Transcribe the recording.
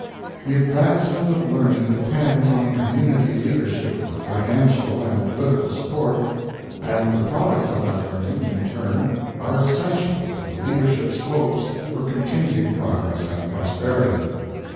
The advancement of learning depends on community leadership for financial and political support and the products of that learning, in turn, are essential to the leadership's hopes for continued progress and prosperity.